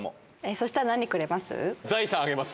そしたら何くれます？